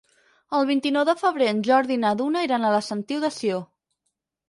El vint-i-nou de febrer en Jordi i na Duna iran a la Sentiu de Sió.